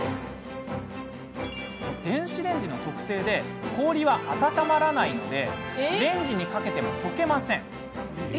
電子レンジの特性で氷は温まらないのでレンジにかけても、とけません。